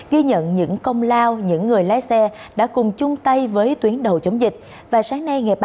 ghi nhận những công lao những người lái xe đã cùng chung tay với tuyến đầu chống dịch và sáng nay